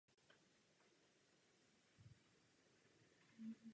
Píseň byla přepracována několika dalšími umělci jako cover verze.